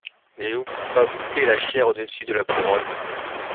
N’avez-vous pas bouté la chaire au-dessus de la couronne?